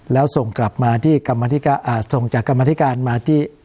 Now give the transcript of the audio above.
แล้วส่งกลับมาที่กรรมพิการอ่าส่งจากกรรมพิการมาที่